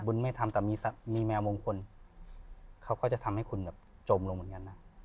ไม่ทำแต่มีแมวมงคลเขาก็จะทำให้คุณแบบจมลงเหมือนกันนะ